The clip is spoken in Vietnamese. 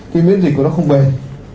cái miễn dịch của nó không bền